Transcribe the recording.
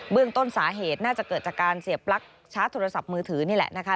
เรื่องต้นสาเหตุน่าจะเกิดจากการเสียปลั๊กชาร์จโทรศัพท์มือถือนี่แหละนะคะ